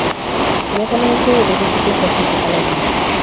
আমি এখান হইতে-রেঘুপতির কাছ হইতে পালাইতে চাই।